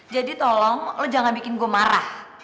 jadi tolong lo jangan bikin gue marah